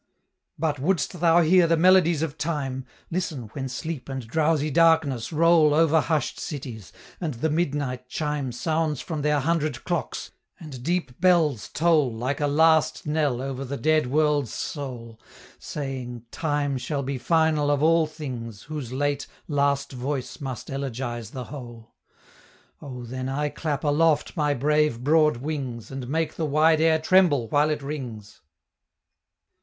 "But would'st thou hear the melodies of Time, Listen when sleep and drowsy darkness roll Over hush'd cities, and the midnight chime Sounds from their hundred clocks, and deep bells toll Like a last knell over the dead world's soul, Saying, 'Time shall be final of all things, Whose late, last voice must elegize the whole,' O then I clap aloft my brave broad wings, And make the wide air tremble while it rings!"